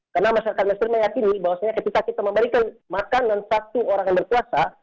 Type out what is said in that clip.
karena masyarakat muskler meyakini bahwa sebenarnya ketika kita memberikan makanan satu orang yang berpuasa